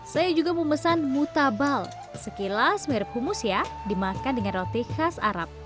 saya juga memesan mutabal sekilas mirip humus ya dimakan dengan roti khas arab